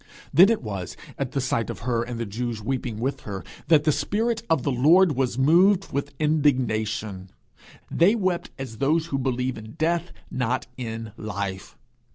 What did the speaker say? Then it was at the sight of her and the Jews with her weeping, that the spirit of the Lord was moved with indignation. They wept as those who believe in death, not in life.